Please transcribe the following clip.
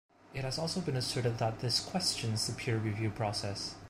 It has also been asserted that this questions the peer review process.